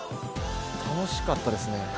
楽しかったですね。